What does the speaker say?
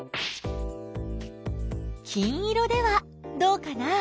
金色ではどうかな？